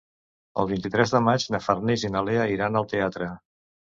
El vint-i-tres de maig na Farners i na Lea iran al teatre.